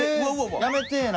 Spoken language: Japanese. やめてえな。